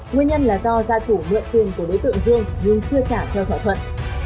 nguyên nhân là do gia chủ mượn tiền của đối tượng dương nhưng chưa trả theo thỏa thuận